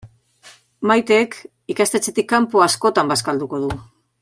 Maite ikastetxetik kanpo askotan bazkalduko du.